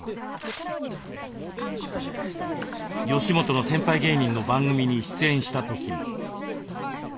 吉本の先輩芸人の番組に出演した時も。